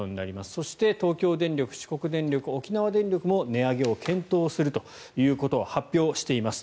そして東京電力四国電力、沖縄電力も値上げを検討すると発表しています。